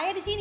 raya di sini